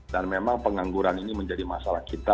dan memang pengangguran ini menjadi masalah kita